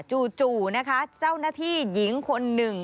จู่นะคะเจ้าหน้าที่หญิงคนหนึ่ง